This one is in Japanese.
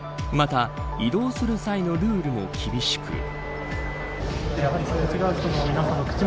また、移動する際のルールも厳しく。